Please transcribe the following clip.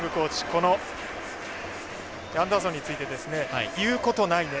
このアンダーソンについて言うことないね。